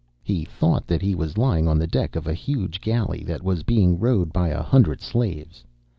He thought that he was lying on the deck of a huge galley that was being rowed by a hundred slaves.